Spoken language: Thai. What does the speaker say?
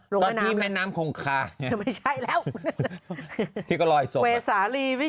ตอนที่แม่น้ำขงขา